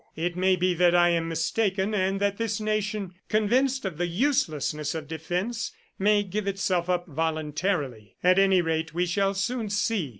It may be that I am mistaken, and that this nation, convinced of the uselessness of defense, may give itself up voluntarily. ... At any rate, we shall soon see.